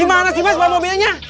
enggak bener nih